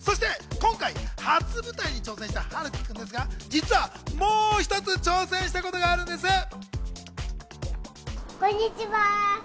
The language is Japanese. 今回、初舞台に挑戦した陽喜君ですが、実はもう一つ挑戦したことがあるんです。